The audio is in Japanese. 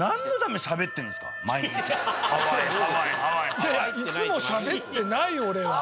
いやいつもしゃべってないよ俺は。